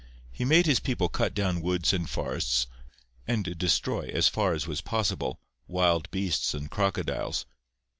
He made his people cut down woods and forests, and destroy, as far as was possible, wild beasts and crocodiles.